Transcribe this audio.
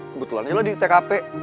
kebetulan aja lah di tkp